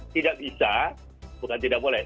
tidak bisa bukan tidak boleh